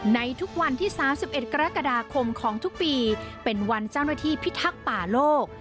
ในทุกวันที่๓๑กรกฎาคมของทุกปีเป็นวันเจ้าหน้าที่พิทักษ์ป่าโลก